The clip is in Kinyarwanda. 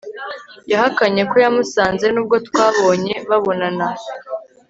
yahakanye ko yamusanze nubwo twabonye babonana